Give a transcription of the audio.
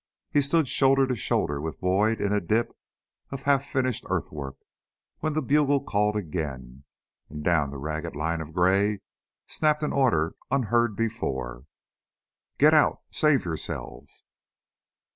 He stood shoulder to shoulder with Boyd in a dip of half finished earthwork when the bugle called again, and down the ragged line of gray snapped an order unheard before "Get out! Save yourselves!"